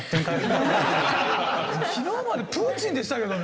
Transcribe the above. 「昨日までプーチンでしたけど」。